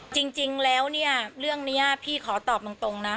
จริงแล้วเนี่ยเรื่องนี้พี่ขอตอบตรงนะ